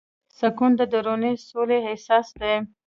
سکون د دروني سولې احساس دی.